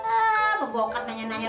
ah bebokan nanya nanya